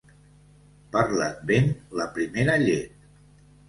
Per l'Advent, la primera llet.